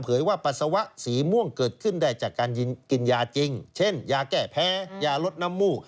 ว่าปัสสาวะสีม่วงเกิดขึ้นได้จากการกินยาจริงเช่นยาแก้แพ้ยาลดน้ำมูก